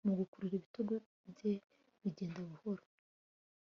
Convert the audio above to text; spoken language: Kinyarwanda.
Mugukurura ibitugu bye bigenda buhoro